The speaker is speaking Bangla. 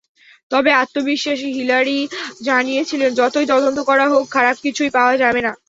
তবে আত্মবিশ্বাসী হিলারি জানিয়েছিলেন, যতই তদন্ত করা হোক, খারাপ কিছুই পাওয়া যাবে না।